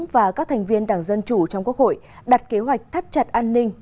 và các thành viên đảng dân chủ trong quốc hội đặt kế hoạch thắt chặt an ninh